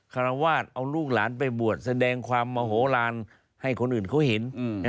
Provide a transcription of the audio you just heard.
คารวาสเอาลูกหลานไปบวชแสดงความมโหลานให้คนอื่นเขาเห็น